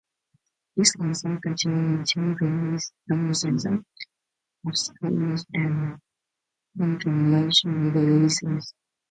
It also continued to release dozens of obscure and uncommercial releases.